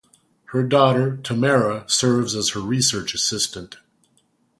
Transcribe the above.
Her daughter, Tamara, serves as her research assistant.